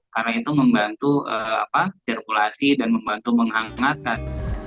karena itu membantu sirkulasi dan membantu menghangatkan